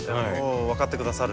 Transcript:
分かってくださる！